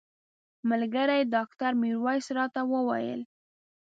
ملګري ډاکټر میرویس راته وویل.